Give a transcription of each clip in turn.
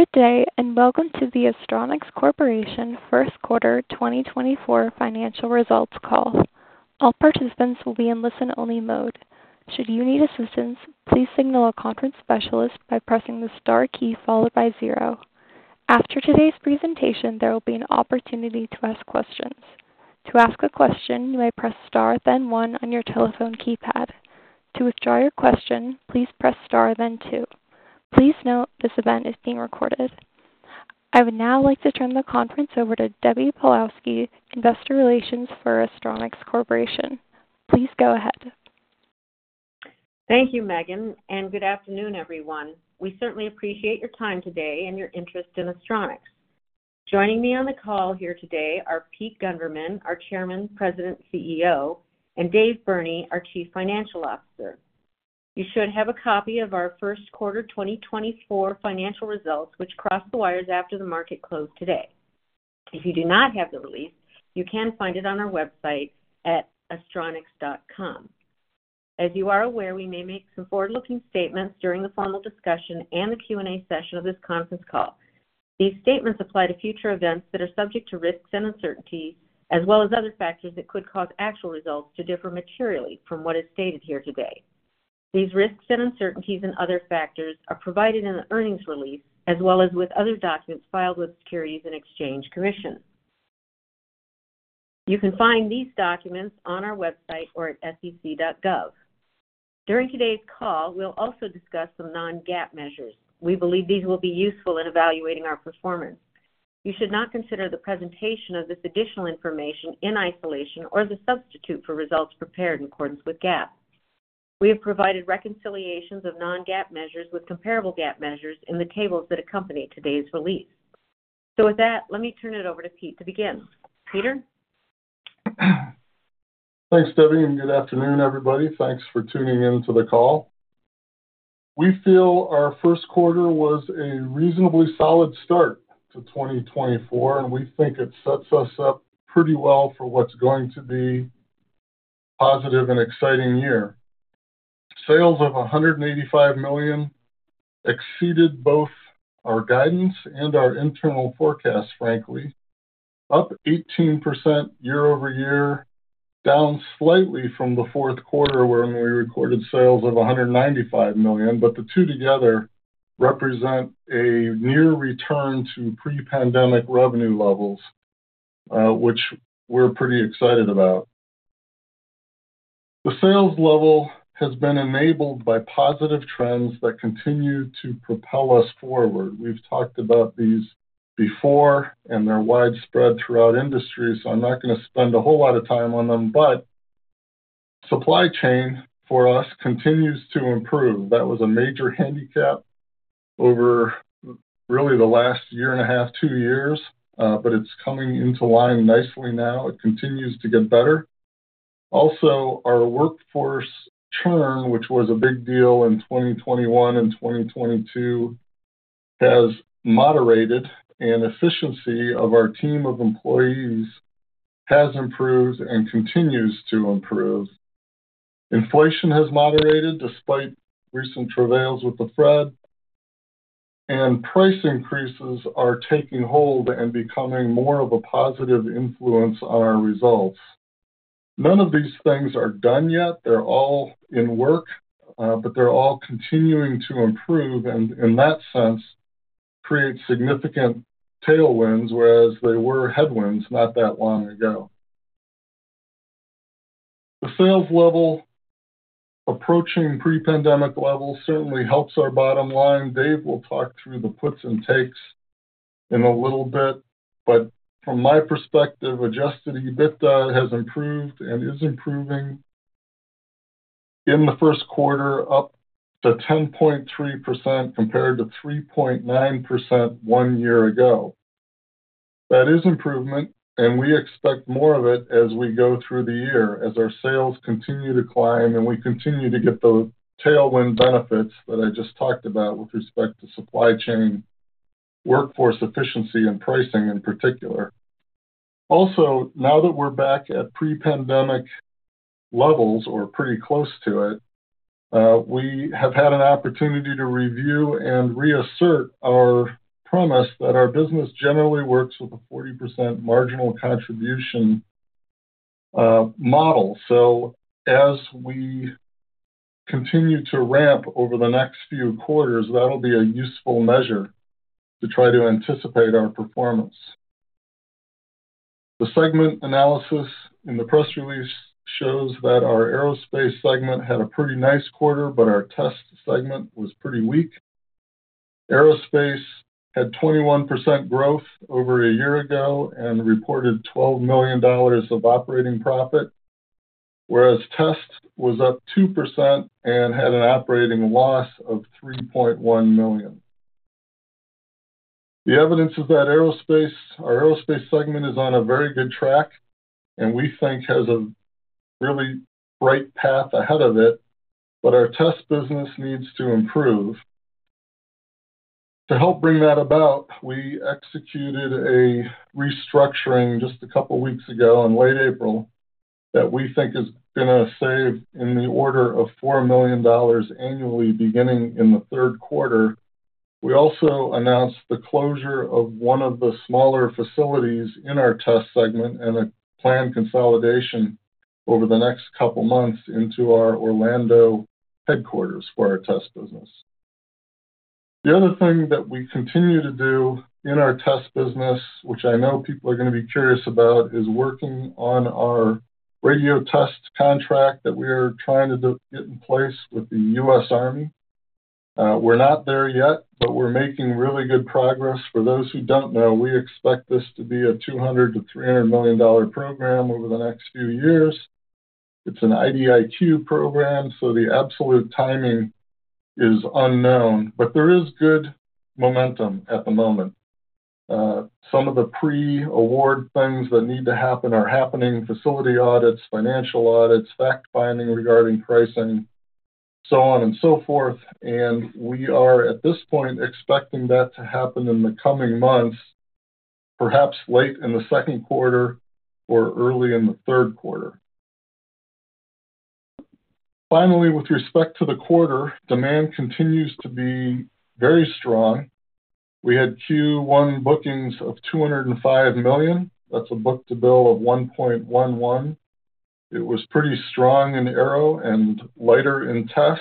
Good day, and welcome to the Astronics Corporation First Quarter 2024 financial results call. All participants will be in listen-only mode. Should you need assistance, please signal a conference specialist by pressing the star key followed by zero. After today's presentation, there will be an opportunity to ask questions. To ask a question, you may press star, then one on your telephone keypad. To withdraw your question, please press star, then two. Please note, this event is being recorded. I would now like to turn the conference over to Debbie Pawlowski, Investor Relations for Astronics Corporation. Please go ahead. Thank you, Megan, and good afternoon, everyone. We certainly appreciate your time today and your interest in Astronics. Joining me on the call here today are Pete Gundermann, our Chairman, President, CEO, and Dave Burney, our Chief Financial Officer. You should have a copy of our first quarter 2024 financial results, which crossed the wires after the market closed today. If you do not have the release, you can find it on our website at astronics.com. As you are aware, we may make some forward-looking statements during the formal discussion and the Q&A session of this conference call. These statements apply to future events that are subject to risks and uncertainties, as well as other factors that could cause actual results to differ materially from what is stated here today. These risks and uncertainties and other factors are provided in the earnings release, as well as with other documents filed with the Securities and Exchange Commission. You can find these documents on our website or at sec.gov. During today's call, we'll also discuss some non-GAAP measures. We believe these will be useful in evaluating our performance. You should not consider the presentation of this additional information in isolation or as a substitute for results prepared in accordance with GAAP. We have provided reconciliations of non-GAAP measures with comparable GAAP measures in the tables that accompany today's release. So with that, let me turn it over to Pete to begin. Peter? Thanks, Debbie, and good afternoon, everybody. Thanks for tuning in to the call. We feel our first quarter was a reasonably solid start to 2024, and we think it sets us up pretty well for what's going to be a positive and exciting year. Sales of $185 million exceeded both our guidance and our internal forecast, frankly. Up 18% year-over-year, down slightly from the fourth quarter, when we recorded sales of $195 million, but the two together represent a near return to pre-pandemic revenue levels, which we're pretty excited about. The sales level has been enabled by positive trends that continue to propel us forward. We've talked about these before, and they're widespread throughout industry, so I'm not gonna spend a whole lot of time on them, but supply chain for us continues to improve. That was a major handicap over really the last year and a half, two years, but it's coming into line nicely now. It continues to get better. Also, our workforce churn, which was a big deal in 2021 and 2022, has moderated and efficiency of our team of employees has improved and continues to improve. Inflation has moderated despite recent travails with the Fed, and price increases are taking hold and becoming more of a positive influence on our results. None of these things are done yet. They're all in work, but they're all continuing to improve and, in that sense, create significant tailwinds, whereas they were headwinds not that long ago. The sales level approaching pre-pandemic levels certainly helps our bottom line. Dave will talk through the puts and takes in a little bit, but from my perspective, adjusted EBITDA has improved and is improving in the first quarter, up to 10.3%, compared to 3.9% one year ago. That is improvement, and we expect more of it as we go through the year, as our sales continue to climb, and we continue to get those tailwind benefits that I just talked about with respect to supply chain, workforce efficiency, and pricing in particular. Also, now that we're back at pre-pandemic levels or pretty close to it, we have had an opportunity to review and reassert our promise that our business generally works with a 40% marginal contribution model. So as we continue to ramp over the next few quarters, that'll be a useful measure to try to anticipate our performance. The segment analysis in the press release shows that our Aerospace segment had a pretty nice quarter, but our test segment was pretty weak. Aerospace had 21% growth over a year ago and reported $12 million of operating profit, whereas test was up 2% and had an operating loss of $3.1 million. The evidence is that our Aerospace segment is on a very good track, and we think has a really bright path ahead of it, but our test business needs to improve. To help bring that about, we executed a restructuring just a couple of weeks ago, in late April that we think is going to save in the order of $4 million annually, beginning in the third quarter. We also announced the closure of one of the smaller facilities in our test segment and a planned consolidation over the next couple of months into our Orlando headquarters for our test business. The other thing that we continue to do in our test business, which I know people are going to be curious about, is working on our radio test contract that we are trying to get in place with the US Army. We're not there yet, but we're making really good progress. For those who don't know, we expect this to be a $200 million to $300 million program over the next few years. It's an IDIQ program, so the absolute timing is unknown, but there is good momentum at the moment. Some of the pre-award things that need to happen are happening: facility audits, financial audits, fact-finding regarding pricing, so on and so forth. We are, at this point, expecting that to happen in the coming months, perhaps late in the second quarter or early in the third quarter. Finally, with respect to the quarter, demand continues to be very strong. We had Q1 bookings of $205 million. That's a book-to-bill of 1.11. It was pretty strong in aero and lighter in test.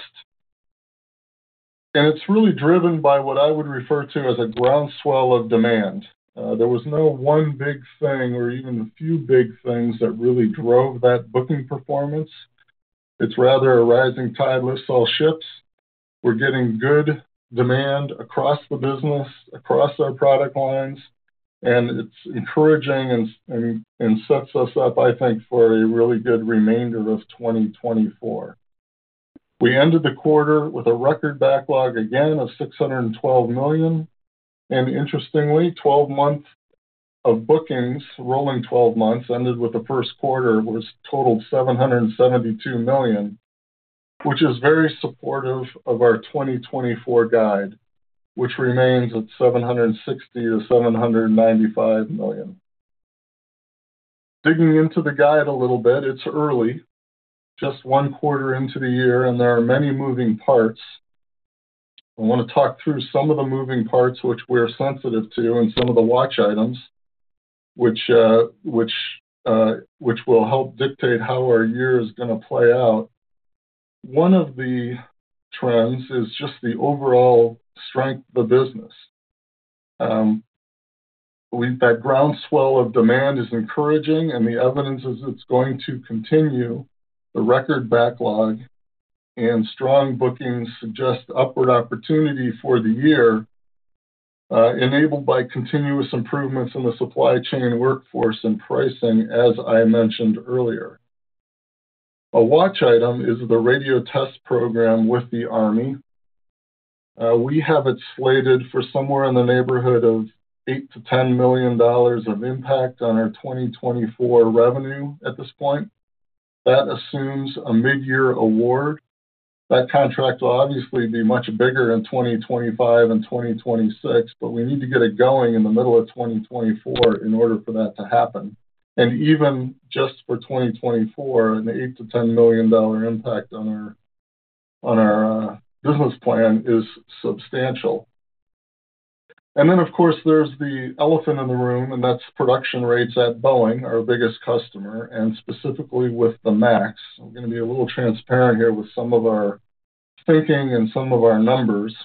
And it's really driven by what I would refer to as a groundswell of demand. There was no one big thing or even a few big things that really drove that booking performance. It's rather a rising tide lifts all ships. We're getting good demand across the business, across our product lines, and it's encouraging and sets us up, I think, for a really good remainder of 2024. We ended the quarter with a record backlog, again, of $612 million. And interestingly, 12 months of bookings, rolling 12 months, ended with the first quarter, was totaled $772 million, which is very supportive of our 2024 guide, which remains at $760 million to $795 million. Digging into the guide a little bit, it's early, just one quarter into the year, and there are many moving parts. I want to talk through some of the moving parts which we're sensitive to and some of the watch items, which will help dictate how our year is going to play out. One of the trends is just the overall strength of the business. That groundswell of demand is encouraging, and the evidence is it's going to continue. The record backlog and strong bookings suggest upward opportunity for the year, enabled by continuous improvements in the supply chain, workforce, and pricing, as I mentioned earlier. A watch item is the radio test program with the Army. We have it slated for somewhere in the neighborhood of $8 million to $10 million of impact on our 2024 revenue at this point. That assumes a mid-year award. That contract will obviously be much bigger in 2025 and 2026, but we need to get it going in the middle of 2024 in order for that to happen. Even just for 2024, an $8 million to $10 million impact on our business plan is substantial. And then, of course, there's the elephant in the room, and that's production rates at Boeing, our biggest customer, and specifically with the MAX. I'm going to be a little transparent here with some of our thinking and some of our numbers.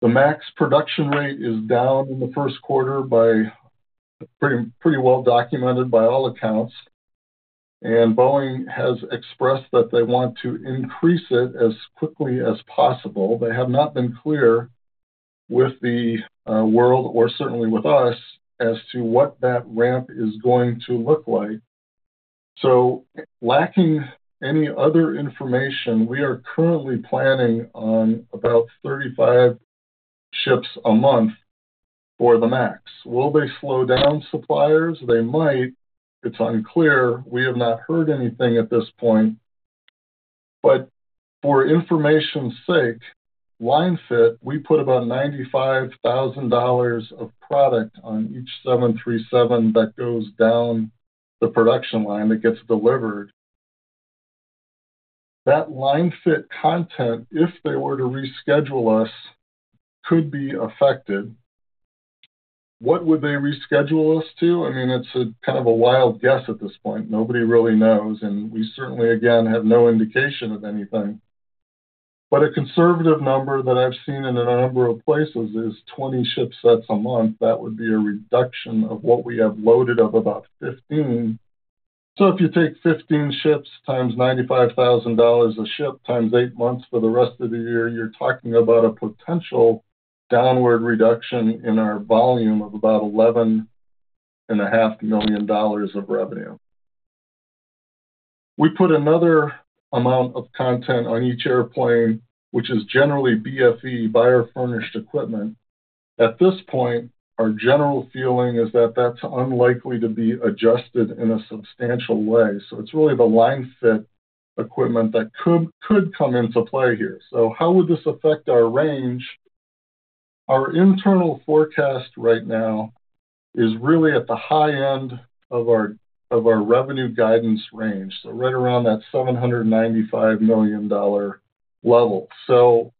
The MAX production rate is down in the first quarter, pretty well documented by all accounts, and Boeing has expressed that they want to increase it as quickly as possible. They have not been clear with the world or certainly with us as to what that ramp is going to look like. So lacking any other information, we are currently planning on about 35 ships a month for the MAX. Will they slow down suppliers? They might. It's unclear. We have not heard anything at this point, but for information's sake, line fit, we put about $95,000 of product on each 737 that goes down the production line that gets delivered. That line fit content, if they were to reschedule us, could be affected. What would they reschedule us to? I mean, it's a kind of a wild guess at this point. Nobody really knows, and we certainly, again, have no indication of anything. But a conservative number that I've seen in a number of places is 20 ship sets a month. That would be a reduction of what we have loaded of about 15. So if you take 15 ships times $95,000 a ship times eight months for the rest of the year, you're talking about a potential downward reduction in our volume of about $11.5 million of revenue. We put another amount of content on each airplane, which is generally BFE, Buyer-Furnished Equipment. At this point, our general feeling is that that's unlikely to be adjusted in a substantial way. So it's really the linefit equipment that could, could come into play here. So how would this affect our range? Our internal forecast right now is really at the high end of our, of our revenue guidance range, so right around that $795 million level. So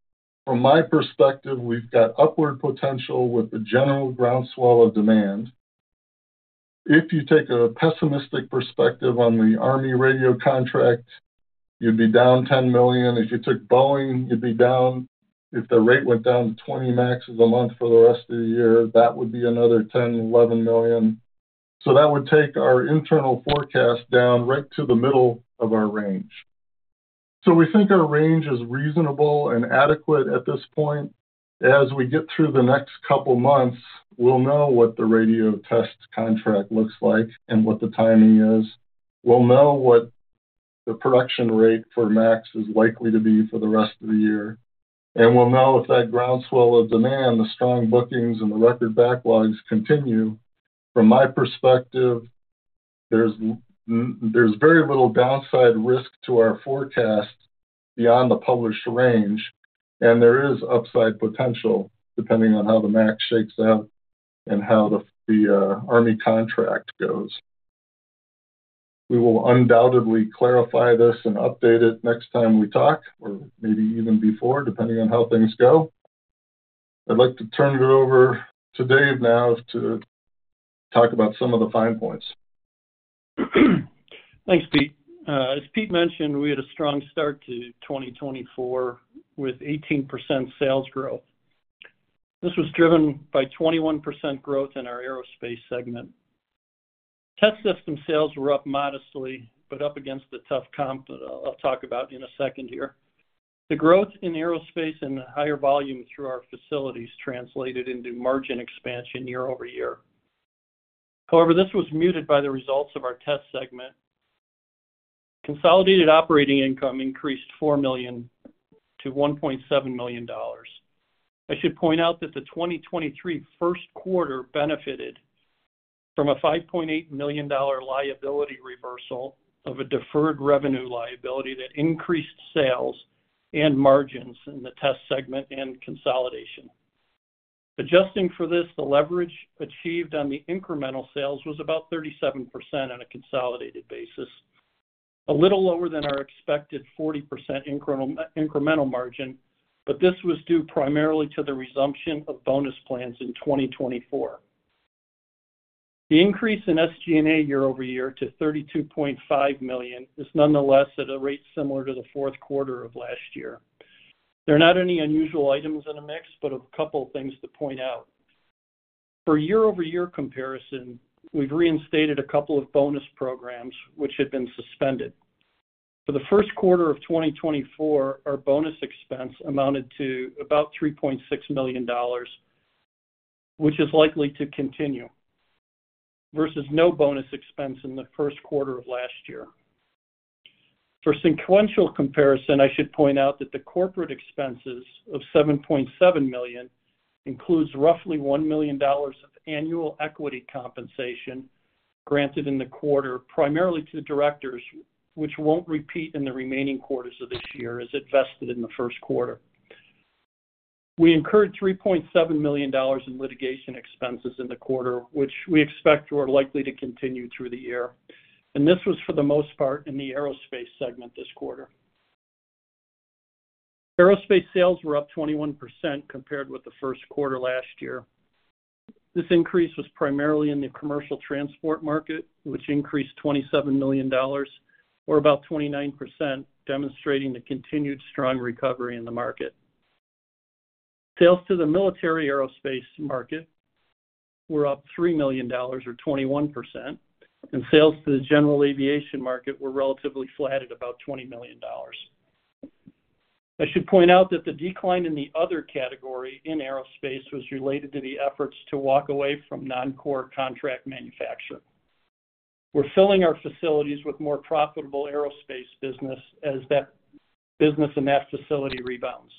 from my perspective, we've got upward potential with the general groundswell of demand. If you take a pessimistic perspective on the Army radio contract, you'd be down $10 million. If you took Boeing, you'd be down. If the rate went down to 20 MAXs a month for the rest of the year, that would be another $10 to 11 million. So that would take our internal forecast down right to the middle of our range. So we think our range is reasonable and adequate at this point. As we get through the next couple months, we'll know what the radio test contract looks like and what the timing is. We'll know what the production rate for MAX is likely to be for the rest of the year, and we'll know if that groundswell of demand, the strong bookings and the record backlogs continue. From my perspective, there's very little downside risk to our forecast beyond the published range, and there is upside potential, depending on how the MAX shakes out and how the Army contract goes. We will undoubtedly clarify this and update it next time we talk, or maybe even before, depending on how things go. I'd like to turn it over to Dave now to talk about some of the fine points. Thanks, Pete. As Pete mentioned, we had a strong start to 2024 with 18% sales growth. This was driven by 21% growth in our aerospace segment. Test system sales were up modestly, but up against a tough comp that I'll talk about in a second here. The growth in aerospace and the higher volume through our facilities translated into margin expansion year-over-year. However, this was muted by the results of our test segment. Consolidated operating income increased $4 million to $1.7 million. I should point out that the 2023 first quarter benefited from a $5.8 million liability reversal of a deferred revenue liability that increased sales and margins in the test segment and consolidation. Adjusting for this, the leverage achieved on the incremental sales was about 37% on a consolidated basis, a little lower than our expected 40% incremental margin, but this was due primarily to the resumption of bonus plans in 2024. The increase in SG&A year-over-year to $32.5 million is nonetheless at a rate similar to the fourth quarter of last year. There are not any unusual items in the mix, but a couple of things to point out. For year-over-year comparison, we've reinstated a couple of bonus programs which had been suspended. For the first quarter of 2024, our bonus expense amounted to about $3.6 million, which is likely to continue, versus no bonus expense in the first quarter of last year. For sequential comparison, I should point out that the corporate expenses of $7.7 million includes roughly $1 million of annual equity compensation granted in the quarter, primarily to the directors, which won't repeat in the remaining quarters of this year as it vested in the first quarter. We incurred $3.7 million in litigation expenses in the quarter, which we expect are likely to continue through the year, and this was for the most part in the Aerospace segment this quarter. Aerospace sales were up 21% compared with the first quarter last year. This increase was primarily in the commercial transport market, which increased $27 million or about 29%, demonstrating the continued strong recovery in the market. Sales to the military aerospace market were up $3 million or 21%, and sales to the general aviation market were relatively flat at about $20 million. I should point out that the decline in the other category in Aerospace was related to the efforts to walk away from non-core contract manufacture. We're filling our facilities with more profitable aerospace business as that business in that facility rebounds.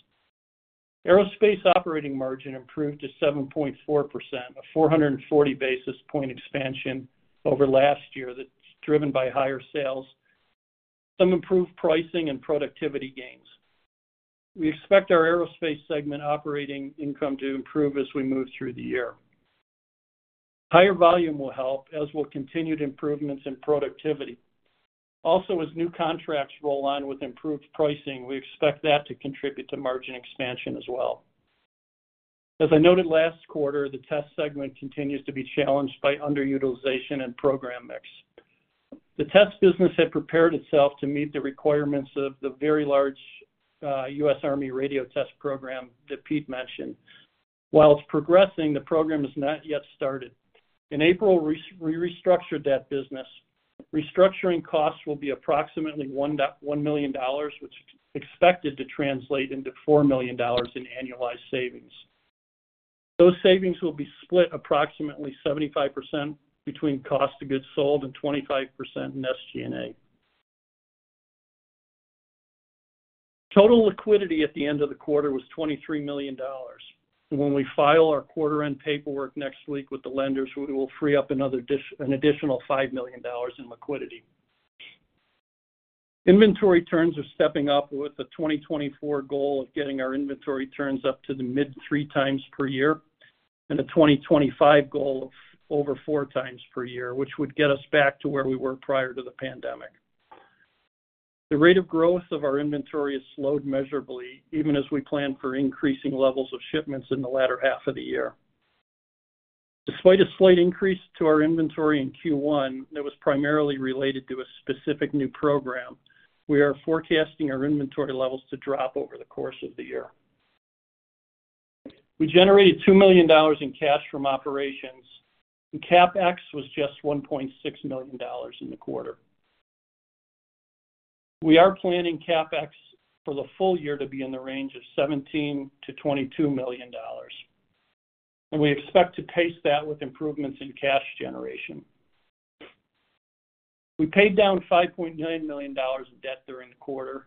Aerospace operating margin improved to 7.4%, a 440 basis point expansion over last year that's driven by higher sales, some improved pricing and productivity gains. We expect our Aerospace segment operating income to improve as we move through the year. Higher volume will help, as will continued improvements in productivity. Also, as new contracts roll on with improved pricing, we expect that to contribute to margin expansion as well. As I noted last quarter, the test segment continues to be challenged by underutilization and program mix. The test business had prepared itself to meet the requirements of the very large US Army radio test program that Pete mentioned. While it's progressing, the program has not yet started. In April, we restructured that business. Restructuring costs will be approximately $1 million, which is expected to translate into $4 million in annualized savings. Those savings will be split approximately 75% between cost of goods sold and 25% in SG&A. Total liquidity at the end of the quarter was $23 million, and when we file our quarter-end paperwork next week with the lenders, we will free up an additional $5 million in liquidity. Inventory turns are stepping up with a 2024 goal of getting our inventory turns up to the mid-three times per year, and a 2025 goal of over four times per year, which would get us back to where we were prior to the pandemic. The rate of growth of our inventory has slowed measurably, even as we plan for increasing levels of shipments in the latter half of the year. Despite a slight increase to our inventory in Q1, that was primarily related to a specific new program, we are forecasting our inventory levels to drop over the course of the year. We generated $2 million in cash from operations, and CapEx was just $1.6 million in the quarter. We are planning CapEx for the full year to be in the range of $17 million to $22 million, and we expect to pace that with improvements in cash generation. We paid down $5.9 million in debt during the quarter.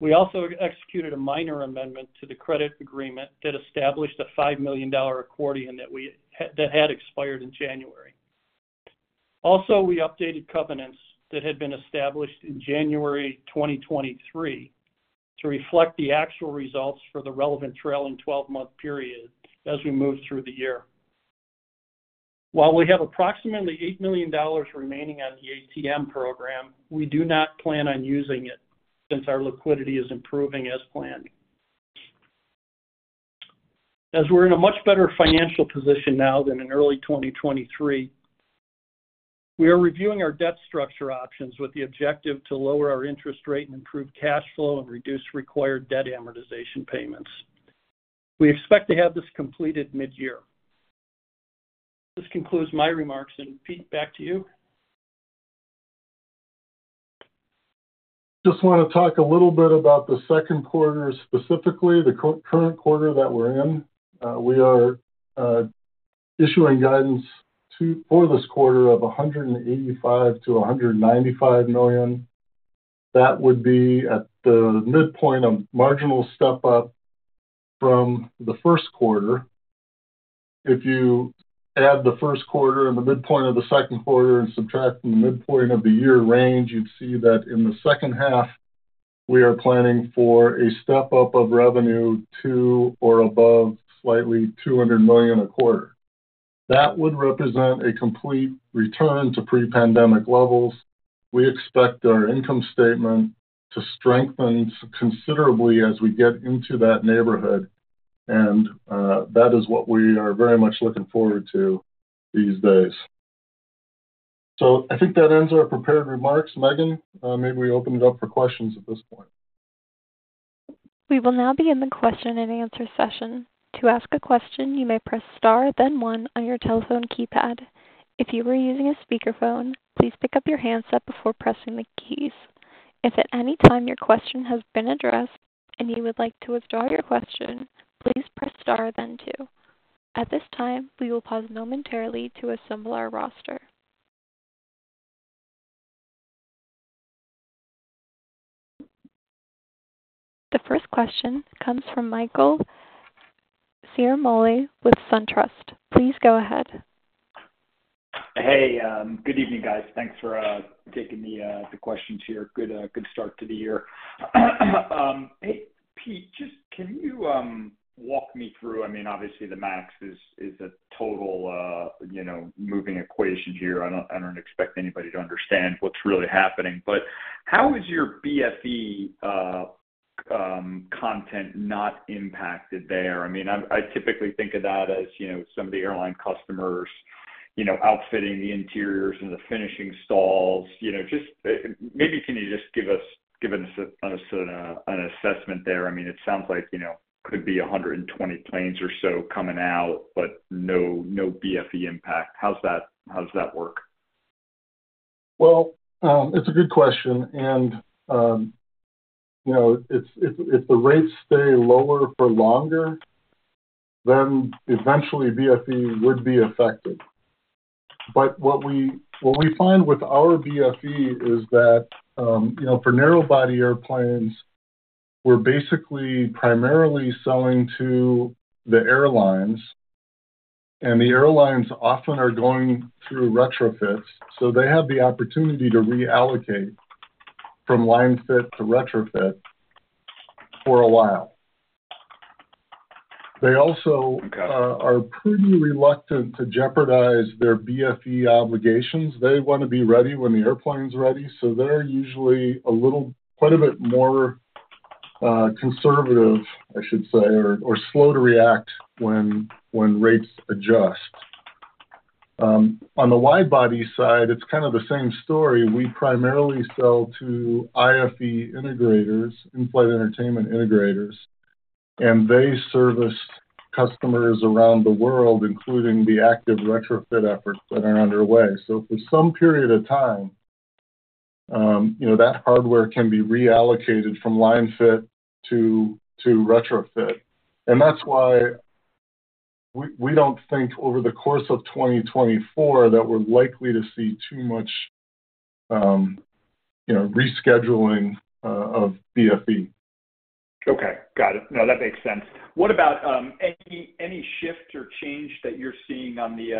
We also executed a minor amendment to the credit agreement that established a $5 million accordion that had expired in January. Also, we updated covenants that had been established in January 2023, to reflect the actual results for the relevant trailing 12-month period as we move through the year. While we have approximately $8 million remaining on the ATM program, we do not plan on using it, since our liquidity is improving as planned. As we're in a much better financial position now than in early 2023, we are reviewing our debt structure options with the objective to lower our interest rate and improve cash flow and reduce required debt amortization payments. We expect to have this completed mid-year. This concludes my remarks, and Pete, back to you. Just want to talk a little bit about the second quarter, specifically the current quarter that we're in. We are issuing guidance for this quarter of $185 to 195 million. That would be at the midpoint, a marginal step up from the first quarter. If you add the first quarter and the midpoint of the second quarter and subtract from the midpoint of the year range, you'd see that in the second half, we are planning for a step up of revenue to or above slightly $200 million a quarter. That would represent a complete return to pre-pandemic levels. We expect our income statement to strengthen considerably as we get into that neighborhood, and that is what we are very much looking forward to these days. So I think that ends our prepared remarks. Megan, maybe we open it up for questions at this point. We will now begin the question-and-answer session. To ask a question, you may press star, then one on your telephone keypad. If you are using a speakerphone, please pick up your handset before pressing the keys. If at any time your question has been addressed and you would like to withdraw your question, please press star then two. At this time, we will pause momentarily to assemble our roster. The first question comes from Michael Ciarmoli with SunTrust. Please go ahead. Hey, good evening, guys. Thanks for taking the questions here. Good, good start to the year. Hey, Pete, just can you walk me through, I mean, obviously, the MAX is a total, you know, moving equation here. I don't, I don't expect anybody to understand what's really happening. But how is your BFE content not impacted there? I mean, I typically think of that as, you know, some of the airline customers, you know, outfitting the interiors and the finishing stalls. You know, just maybe can you just give us an assessment there? I mean, it sounds like, you know, could be 120 planes or so coming out, but no BFE impact. How's that? How does that work? Well, it's a good question, and, you know, if the rates stay lower for longer, then eventually BFE would be affected. But what we find with our BFE is that, you know, for narrow body airplanes, we're basically primarily selling to the airlines, and the airlines often are going through retrofits, so they have the opportunity to reallocate from line fit to retrofit for a while. They also are pretty reluctant to jeopardize their BFE obligations. They want to be ready when the airplane's ready, so they're usually a little, quite a bit more conservative, I should say, or slow to react when rates adjust. On the wide-body side, it's kind of the same story. We primarily sell to IFE integrators, in-flight entertainment integrators, and they service customers around the world, including the active retrofit efforts that are underway. So for some period of time, you know, that hardware can be reallocated from Line Fit to retrofit. And that's why we don't think over the course of 2024, that we're likely to see too much rescheduling of BFE. Okay, got it. No, that makes sense. What about any shift or change that you're seeing on the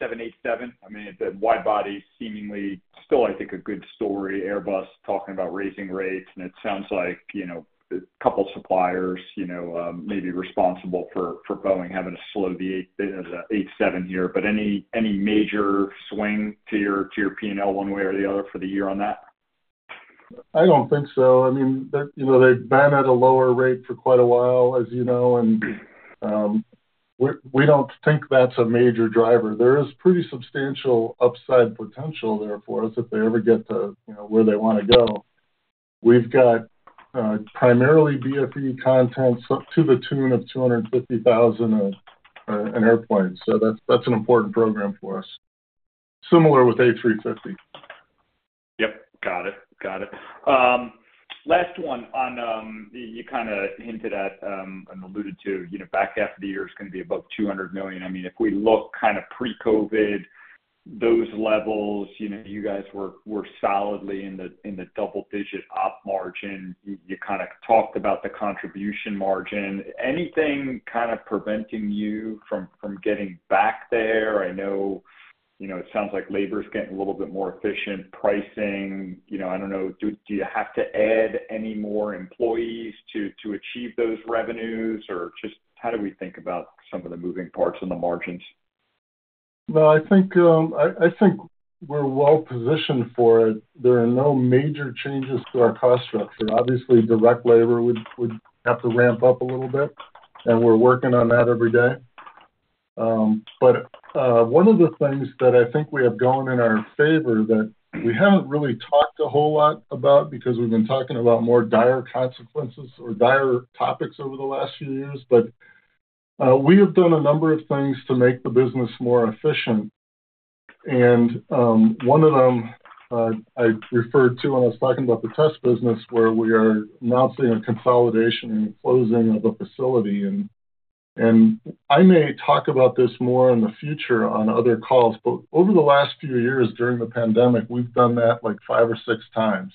787? I mean, the wide body seemingly still, I think, a good story. Airbus talking about raising rates, and it sounds like, you know, a couple suppliers, you know, may be responsible for Boeing having to slow the 787 here. But any major swing to your P&L one way or the other for the year on that? I don't think so. I mean, they, you know, they've been at a lower rate for quite a while, as you know, and we don't think that's a major driver. There is pretty substantial upside potential there for us if they ever get to, you know, where they wanna go. We've got primarily BFE content up to the tune of $250,000 of an airplane, so that's an important program for us. Similar with A350. Yep, got it. Got it. Last one on you, you kind of hinted at and alluded to, you know, back half of the year is gonna be above $200 million. I mean, if we look kind of pre-COVID, those levels, you know, you guys were solidly in the double-digit op margin. You kind of talked about the contribution margin. Anything kind of preventing you from getting back there? I know, you know, it sounds like labor's getting a little bit more efficient, pricing, you know, I don't know, do you have to add any more employees to achieve those revenues? Or just how do we think about some of the moving parts and the margins? No, I think we're well positioned for it. There are no major changes to our cost structure. Obviously, direct labor would have to ramp up a little bit, and we're working on that every day. But one of the things that I think we have going in our favor that we haven't really talked a whole lot about, because we've been talking about more dire consequences or dire topics over the last few years, but we have done a number of things to make the business more efficient. One of them I referred to when I was talking about the test business, where we are now seeing a consolidation and closing of a facility. I may talk about this more in the future on other calls, but over the last few years during the pandemic, we've done that, like, 5 or 6 times.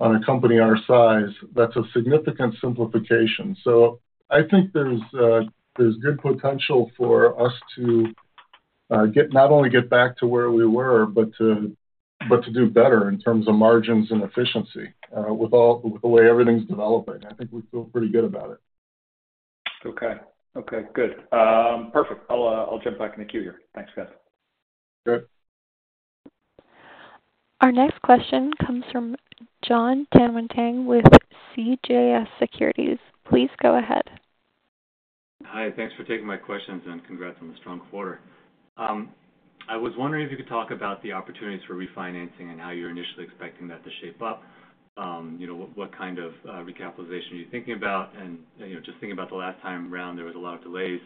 On a company our size, that's a significant simplification. So I think there's good potential for us to get not only get back to where we were, but to do better in terms of margins and efficiency, with the way everything's developing. I think we feel pretty good about it. Okay. Okay, good. Perfect. I'll, I'll jump back in the queue here. Thanks, guys. Sure. Our next question comes from Jon Tanwanteng with CJS Securities. Please go ahead. Hi, thanks for taking my questions, and congrats on the strong quarter. I was wondering if you could talk about the opportunities for refinancing and how you're initially expecting that to shape up. You know, what kind of recapitalization are you thinking about? And, you know, just thinking about the last time around, there was a lot of delays,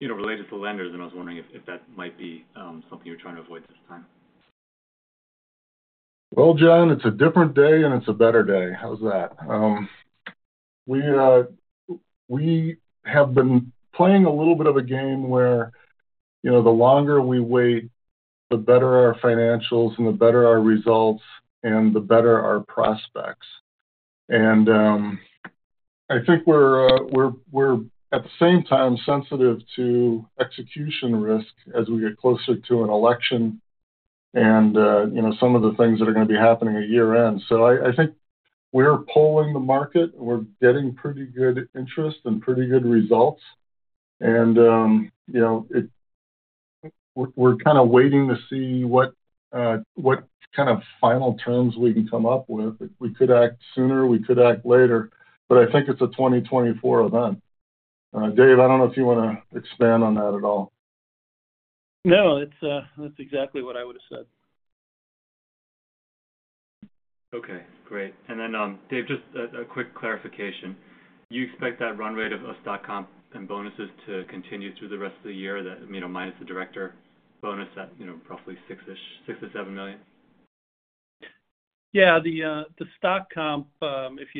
you know, related to lenders, and I was wondering if that might be something you're trying to avoid this time. Well, Jon, it's a different day, and it's a better day. How's that? We have been playing a little bit of a game where, you know, the longer we wait, the better our financials and the better our results and the better our prospects. I think we're at the same time sensitive to execution risk as we get closer to an election and, you know, some of the things that are gonna be happening at year-end. So I think we're polling the market, and we're getting pretty good interest and pretty good results, and, you know, we're kind of waiting to see what kind of final terms we can come up with. We could act sooner, we could act later, but I think it's a 2024 event. Dave, I don't know if you wanna expand on that at all. No, it's, that's exactly what I would've said. Okay, great. And then, Dave, just a quick clarification. You expect that run rate of stock comp and bonuses to continue through the rest of the year, that, you know, minus the director bonus, at, you know, roughly $6 million to $7 million? Yeah, the stock comp, if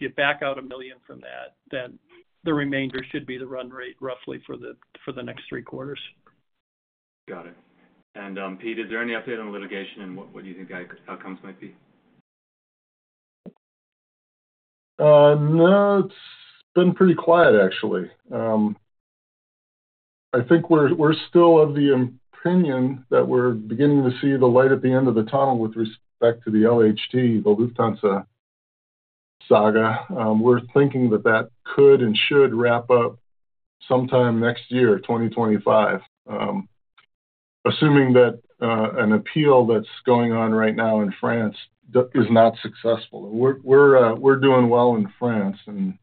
you back out $1 million from that, then the remainder should be the run rate roughly for the next three quarters. Got it. And, Pete Gundermann, is there any update on the litigation and what you think outcomes might be? No, it's been pretty quiet, actually. I think we're still of the opinion that we're beginning to see the light at the end of the tunnel with respect to the LHT, the Lufthansa saga. We're thinking that that could and should wrap up sometime next year, 2025. Assuming that an appeal that's going on right now in France is not successful. We're doing well in France, and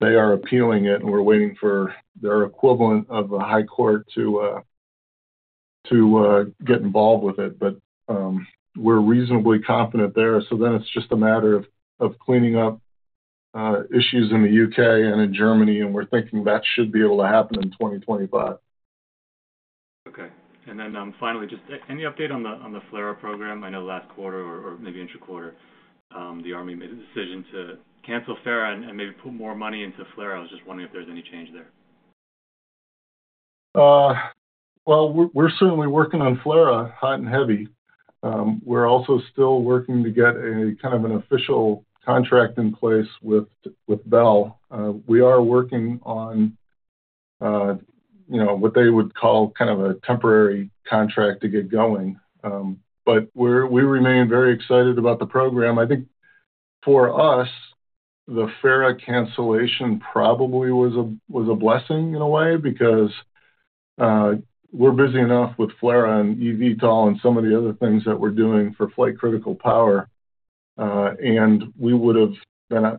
they are appealing it, and we're waiting for their equivalent of a high court to get involved with it. But we're reasonably confident there, so then it's just a matter of cleaning up issues in the UK and in Germany, and we're thinking that should be able to happen in 2025. Okay. And then, finally, just any update on the, on the FLRAA program? I know last quarter or, or maybe intraquarter, the Army made a decision to cancel FARA and, and maybe put more money into FLRAA. I was just wondering if there's any change there.... Well, we're certainly working on FLRAA hot and heavy. We're also still working to get a kind of an official contract in place with Bell. We are working on, you know, what they would call kind of a temporary contract to get going. But we remain very excited about the program. I think for us, the FARA cancellation probably was a blessing in a way because we're busy enough with FLRAA and EVTOL and some of the other things that we're doing for flight-critical power. And we would've been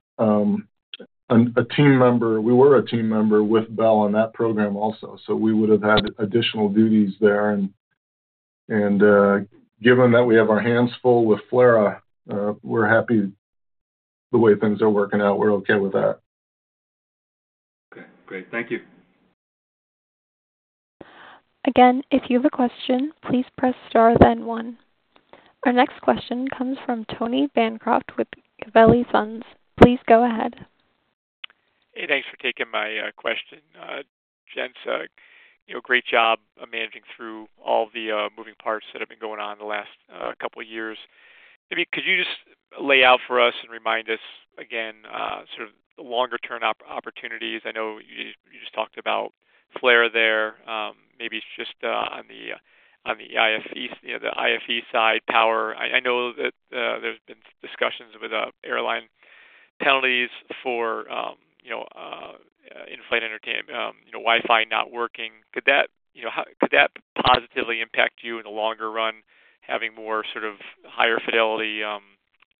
a team member. We were a team member with Bell on that program also, so we would have had additional duties there. And given that we have our hands full with FLRAA, we're happy the way things are working out. We're okay with that. Okay, great. Thank you. Again, if you have a question, please press star then one. Our next question comes from Tony Bancroft with Gabelli Funds. Please go ahead. Hey, thanks for taking my question. Gents, you know, great job managing through all the moving parts that have been going on in the last couple years. I mean, could you just lay out for us and remind us again, sort of the longer-term opportunities? I know you just talked about FLRAA there. Maybe just on the IFE, you know, the IFE side, power. I know that there's been discussions with airline penalties for, you know, in-flight entertainment, you know, Wi-Fi not working. Could that positively impact you in the longer run, having more sort of higher fidelity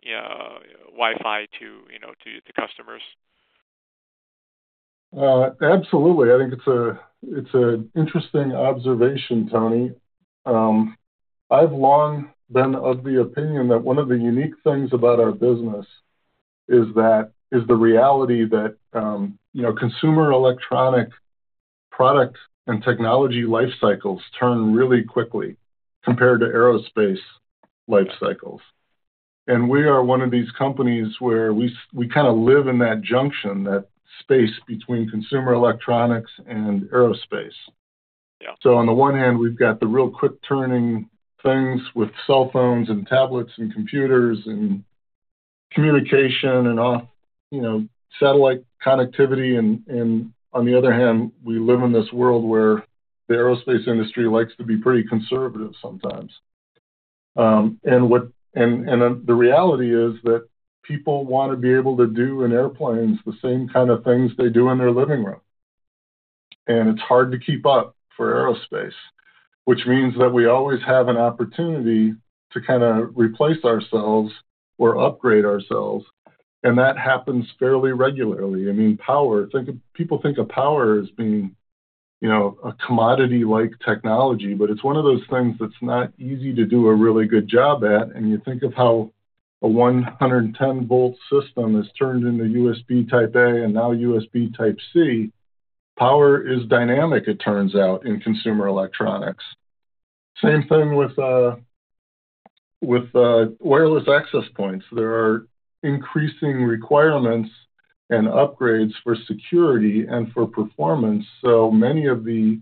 Wi-Fi to, you know, to customers? Absolutely. I think it's an interesting observation, Tony. I've long been of the opinion that one of the unique things about our business is that the reality that, you know, consumer electronic products and technology life cycles turn really quickly compared to aerospace life cycles. And we are one of these companies where we kind of live in that junction, that space between consumer electronics and aerospace. Yeah. So on the one hand, we've got the real quick-turning things with cell phones and tablets and computers and communication and off, you know, satellite connectivity. And, and on the other hand, we live in this world where the aerospace industry likes to be pretty conservative sometimes. And, and the reality is that people want to be able to do in airplanes the same kind of things they do in their living room, and it's hard to keep up for aerospace. Which means that we always have an opportunity to kinda replace ourselves or upgrade ourselves, and that happens fairly regularly. I mean, power, people think of power as being, you know, a commodity like technology, but it's one of those things that's not easy to do a really good job at. You think of how a 110-volt system has turned into USB Type-A and now USB Type-C. Power is dynamic, it turns out, in consumer electronics. Same thing with wireless access points. There are increasing requirements and upgrades for security and for performance, so many of the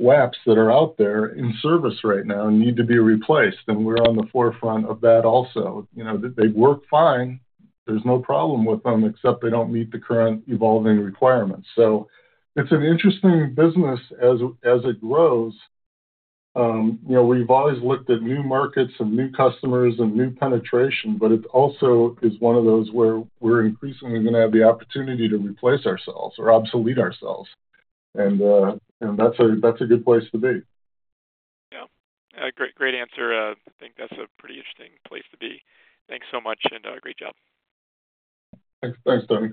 WAPs that are out there in service right now need to be replaced, and we're on the forefront of that also. You know, they work fine. There's no problem with them, except they don't meet the current evolving requirements. So it's an interesting business as it grows. You know, we've always looked at new markets and new customers and new penetration, but it also is one of those where we're increasingly gonna have the opportunity to replace ourselves or obsolete ourselves, and that's a good place to be. Yeah. Great, great answer. I think that's a pretty interesting place to be. Thanks so much, and great job. Thanks. Thanks, Tony.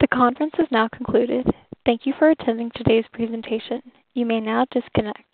The conference is now concluded. Thank you for attending today's presentation. You may now disconnect.